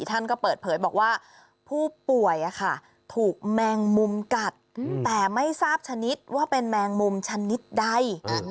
ท่านก็เปิดเผยบอกว่าผู้ป่วยถูกแมงมุมกัดแต่ไม่ทราบชนิดว่าเป็นแมงมุมชนิดใด